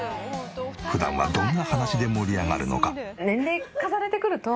普段はどんな話で盛り上がるのか？